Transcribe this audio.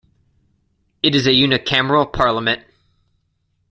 It is a unicameral parliament.